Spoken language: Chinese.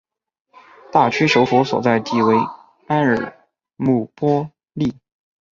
大区首府所在地为埃尔穆波利。